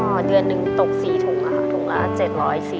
ก็เดือนหนึ่งตก๔ถุงค่ะถุงละ๗๔๐บาท